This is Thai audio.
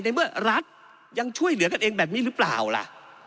ในเมื่อรัฐยังช่วยเหลือกันเองแบบนี้หรือเปล่าล่ะ